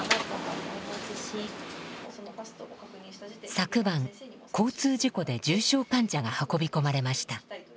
昨晩交通事故で重傷患者が運び込まれました。